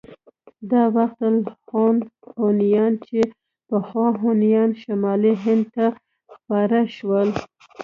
دا وخت الخون هونيان چې پخوا هونيان شمالي هند ته خپاره شول.